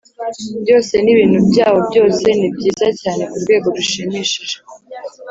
byose n ibintu byaho byose ni byiza cyane ku rwego rushimishije